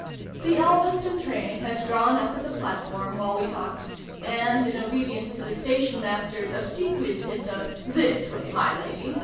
The Elveston train had drawn up at the platform, while we talked ; and, in obedience to the Station Master's obsequious hint of " This way, my Lady